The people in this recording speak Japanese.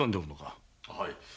はい。